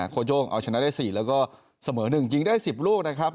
โค้โย่งเอาชนะได้๔แล้วก็เสมอ๑ยิงได้๑๐ลูกนะครับ